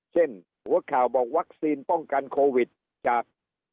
หัวข่าวบอกวัคซีนป้องกันโควิดจาก